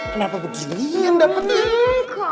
kenapa begini yang dapet tuh